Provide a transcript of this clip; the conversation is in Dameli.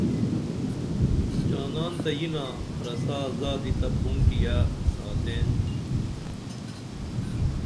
جانان تہ ینا رسا زادی تہ پھونٹیہ ساتین